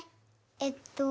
えっと。